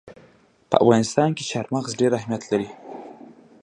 په افغانستان کې چار مغز ډېر اهمیت لري.